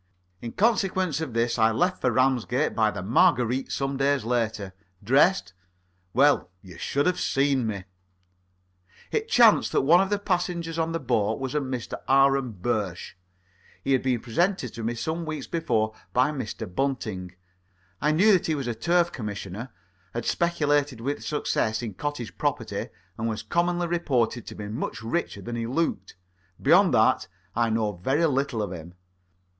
In consequence of this I left for Ramsgate by the "Marguerite" some days later. Dressed? Well, you should have seen me. It chanced that one of the passengers on the boat was Mr. Aaron Birsch. He had been presented to me some weeks before by Mr. Bunting. I knew that he was a turf commissioner, had speculated with success in cottage property, and was commonly reported to be much richer than he looked. Beyond that, I know very little of him.